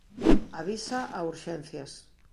Avisa a urxencias.